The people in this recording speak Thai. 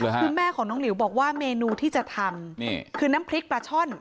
คือแม่ของน้องหลิวบอกว่าเมนูที่จะทำนี่คือน้ำพริกปลาช่อน